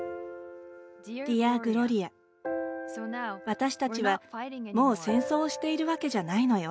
私たちは、もう戦争をしているわけじゃないのよ。